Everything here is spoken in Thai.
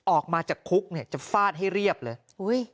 ออกมาจากคุกเนี่ยจะฟาดให้เรียบเลย